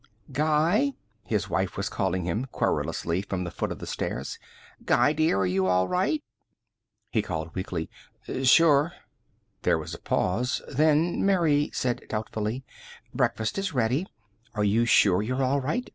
"Guy?" His wife was calling him querulously from the foot of the stairs. "Guy, dear, are you all right?" He called weakly, "Sure." There was a pause. Then Mary said doubtfully, "Breakfast is ready. Are you sure you're all right?